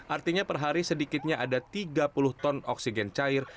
artinya per hari sedikitnya ada tiga puluh ton oksigen cair